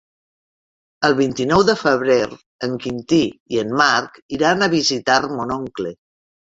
El vint-i-nou de febrer en Quintí i en Marc iran a visitar mon oncle.